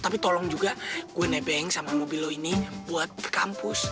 tapi tolong juga gue nebeng sama mobil lo ini buat ke kampus